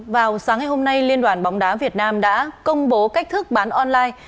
vào sáng ngày hôm nay liên đoàn bóng đá việt nam đã công bố cách thức bán online